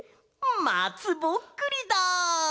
まつぼっくりだ！